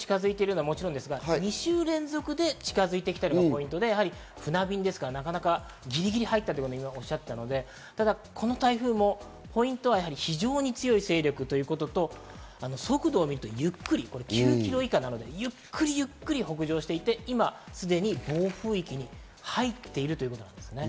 台風が近づいてるのはもちろんですが、２週連続で近づいているのがポイントで、船便ですから、ぎりぎり入ったとおっしゃっていたので、この台風のポイントは非常に強い勢力ということと速度がゆっくり、９キロ以下なので、ゆっくりゆっくり北上していて、今すでに暴風域に入っているということです。